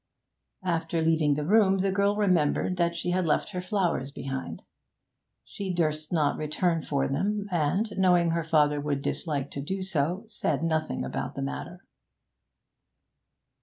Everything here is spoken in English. After leaving the room, the girl remembered that she had left her flowers behind; she durst not return for them, and, knowing her father would dislike to do so, said nothing about the matter.